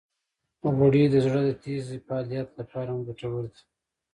غوړې د زړه د تېزې فعالیت لپاره هم ګټورې دي.